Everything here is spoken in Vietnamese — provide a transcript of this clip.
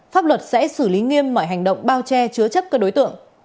pháp luật sẽ xử lý nghiêm mọi hành động bao che chứa chấp các đối tượng